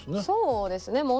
そうですね。